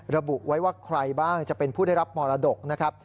ระบุไว้ว่าใครบ้างจะเป็นผู้ได้รับมรดกนะครับ